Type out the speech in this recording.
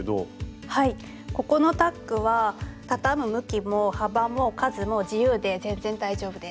はいここのタックは畳む向きも幅も数も自由で全然大丈夫です。